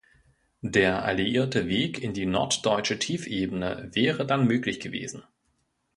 Der alliierte Weg in die norddeutsche Tiefebene wäre dann möglich gewesen.